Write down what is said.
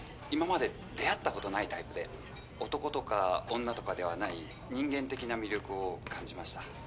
今まで出会ったことないタイプで男とか女とかではない人間的な魅力を感じました。